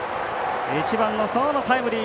１番の僧野のタイムリー。